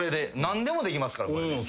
何でもできますからこれで。